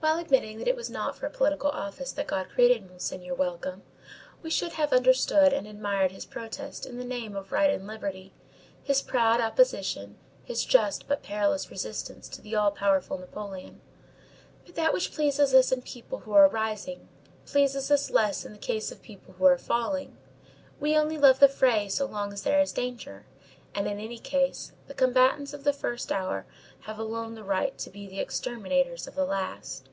While admitting that it was not for a political office that God created Monseigneur Welcome, we should have understood and admired his protest in the name of right and liberty, his proud opposition, his just but perilous resistance to the all powerful Napoleon. But that which pleases us in people who are rising pleases us less in the case of people who are falling. We only love the fray so long as there is danger, and in any case, the combatants of the first hour have alone the right to be the exterminators of the last.